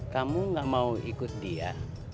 kamu gak mau ikut dia